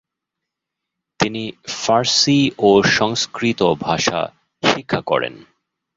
তিনি ফারসি ও সংস্কৃত ভাষা শিক্ষা করেন।